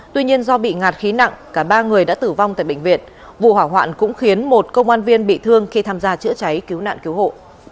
tuy nhiên do bị ngạt khí nặng cả ba người đã tử vong tại bệnh viện vụ hỏa hoạn cũng khiến một công an viên bị thương khi tham gia chữa cháy cứu nạn cứu hộ